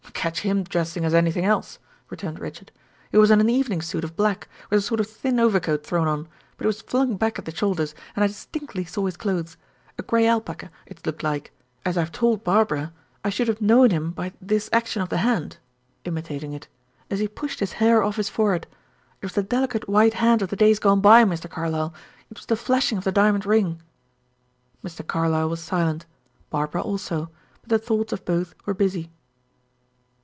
"Catch him dressing as anything else," returned Richard. "He was in an evening suit of black, with a sort of thin overcoat thrown on, but it was flung back at the shoulders, and I distinctly saw his clothes. A gray alpaca, it looked like. As I have told Barbara, I should have known him by this action of the hand," imitating it, "as he pushed his hair off his forehead; it was the delicate white hand of the days gone by, Mr. Carlyle; it was the flashing of the diamond ring!" Mr. Carlyle was silent; Barbara also; but the thoughts of both were busy.